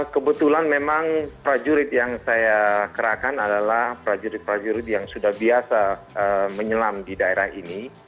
kebetulan memang prajurit yang saya kerahkan adalah prajurit prajurit yang sudah biasa menyelam di daerah ini